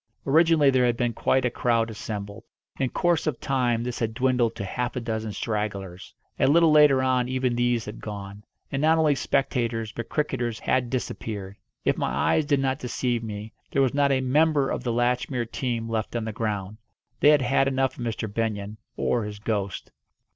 Originally there had been quite a crowd assembled. In course of time this had dwindled to half a dozen stragglers. A little later on even these had gone. And not only spectators but cricketers had disappeared. If my eyes did not deceive me, there was not a member of the Latchmere team left on the ground. They had had enough of Mr. Benyon or his ghost.